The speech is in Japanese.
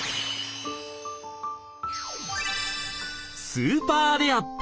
スーパーレア！